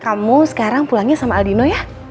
kamu sekarang pulangnya sama aldino ya